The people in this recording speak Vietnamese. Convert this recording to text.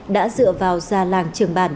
đã dựa vào già làng trường bản